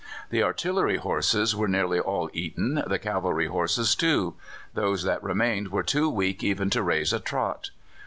The artillery horses were nearly all eaten, the cavalry horses too; those that remained were too weak even to raise a trot.